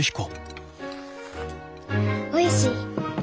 おいしい。